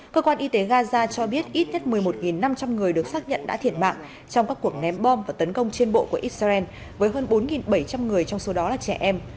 cơ quan y tế gaza cho biết ít nhất một mươi một năm trăm linh người được xác nhận đã thiệt mạng trong các cuộc ném bom và tấn công trên bộ của israel với hơn bốn bảy trăm linh người trong số đó là trẻ em